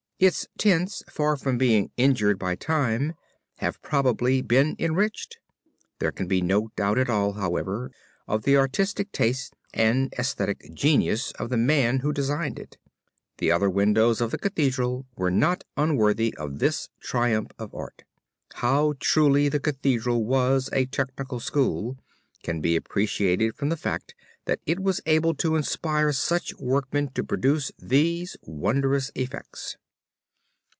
Its tints far from being injured by time have probably been enriched. There can be no doubt at all, however, of the artistic tastes and esthetic genius of the man who designed it. The other windows of the Cathedral were not unworthy of this triumph of art. How truly the Cathedral was a Technical School can be appreciated from the fact that it was able to inspire such workmen to produce these wondrous effects.